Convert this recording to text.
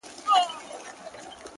چا زر رنگونه پر جهان وپاشل چيري ولاړئ،